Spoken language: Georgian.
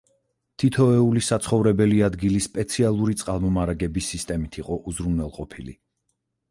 თითოეული საცხოვრებელი ადგილი სპეციალური წყალმომარაგების სისტემით იყო უზრუნველყოფილი.